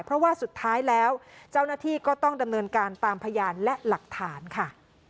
เพราะว่าสุดท้ายแล้วเจ้าหน้าที่ก็ต้องดำเนินการตามพยานและหลักฐานค่ะ